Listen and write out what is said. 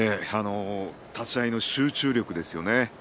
立ち合いの集中力ですよね。